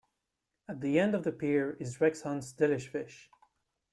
At the end of the pier is Rex Hunt's "Delish Fish".